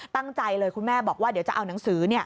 ตั้งใจเลยคุณแม่บอกว่าเดี๋ยวจะเอาหนังสือ